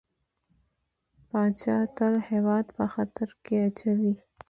پاچا تل هيواد په خطر کې اچوي .